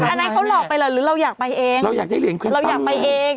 ส่วนไหนเขาหลอกไปหรืออยากไปเอง